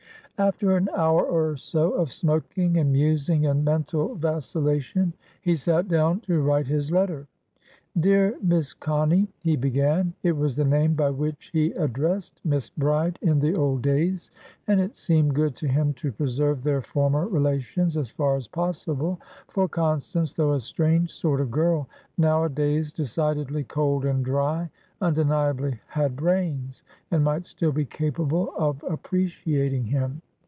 After an hour or so of smoking and musing and mental vacillation, he sat down to write his letter. "Dear Miss Connie," he began. It was the name by which he addressed Miss Bride in the old days, and it seemed good to him to preserve their former relations as far as possible; for Constance, though a strange sort of girl, nowadays decidedly cold and dry, undeniably had brains, and might still be capable of appreciating him.